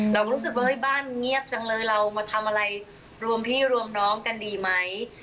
รู้สึกว่าเฮ้ยบ้านเงียบจังเลยเรามาทำอะไรรวมพี่รวมน้องกันดีไหม